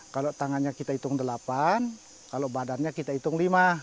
kalau tangannya kita hitung delapan kalau badannya kita hitung lima